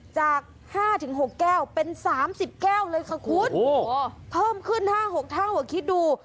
จาก๕๖แก้วเป็น๓๐แก้วเลยค่ะคุณเพิ่มขึ้น๕๖เท่าคิดดู